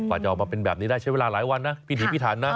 จะออกมาเป็นแบบนี้ได้ใช้เวลาหลายวันนะพิถีพิถันนะ